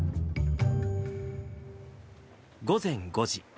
午前５時。